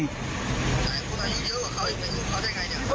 ชื่ออะไรอยู่ดีกว่าเขาอยู่ดีกว่าเขาได้ยังไงเนี่ย